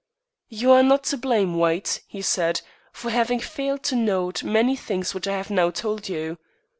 "You are not to blame, White," he said, "for having failed to note many things which I have now told you.